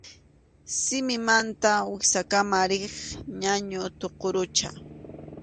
Simimanta wiksakama riq ñañu tuqurucha.